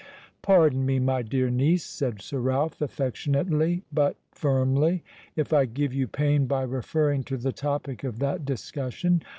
"Pardon me, my dear niece," said Sir Ralph, affectionately but firmly, "if I give you pain by referring to the topic of that discussion.